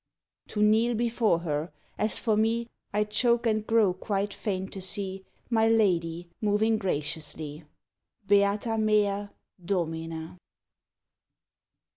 _ To kneel before her; as for me, I choke and grow quite faint to see My lady moving graciously. _Beata mea Domina!